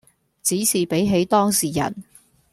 只是比起當時人